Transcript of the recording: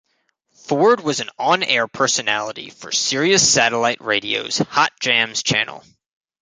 Ford was an on-air personality for Sirius Satellite Radio's Hot Jamz channel.